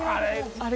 あれ。